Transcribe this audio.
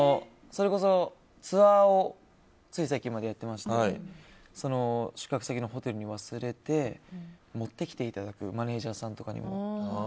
それこそ、ツアーをつい最近までやっていまして宿泊先のホテルに忘れて持ってきていただくマネジャーさんとかにも。